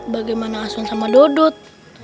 bagaimana aswan sama dodot